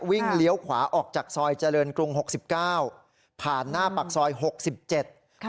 เลี้ยวขวาออกจากซอยเจริญกรุงหกสิบเก้าผ่านหน้าปากซอยหกสิบเจ็ดค่ะ